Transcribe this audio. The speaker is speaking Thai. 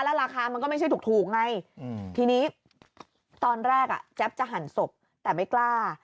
ราคามันก็ไม่ใช่ถูกไงทีนี้ตอนแรกแจ๊บจะหั่นศพแต่ไม่กล้า